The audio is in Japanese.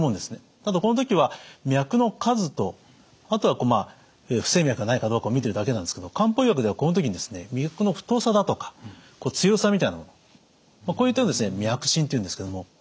ただこの時は脈の数とあとは不整脈がないかどうかを診てるだけなんですけど漢方医学ではこの時に脈の太さだとか強さみたいなものこういったのを脈診というんですけども。